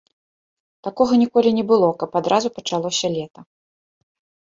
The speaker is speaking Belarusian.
Такога ніколі не было, каб адразу пачалося лета.